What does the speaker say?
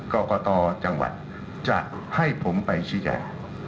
กรกตจังหวัดจะให้ผมไปชี้แจง